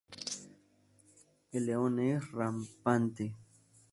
El león es "rampante".